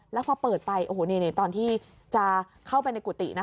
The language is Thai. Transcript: แล้วพอเปิดไปตอนที่จะเข้าไปในกุตินะคะ